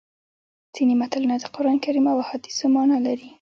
ځینې متلونه د قرانکریم او احادیثو مانا لري